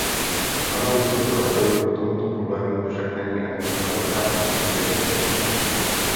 Stanovisko zpravodajů k tomuto problému však není ani zdaleka jednoznačné.